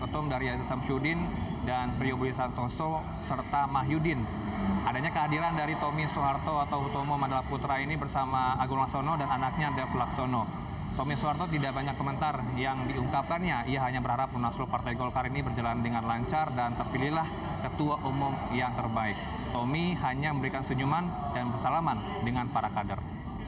tommy hanya memberikan senyuman dan persalaman dengan para kader